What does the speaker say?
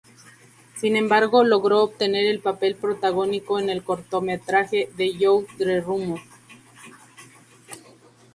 Sin embargo, logró obtener el papel protagónico en el cortometraje "The Youth-The Rumor".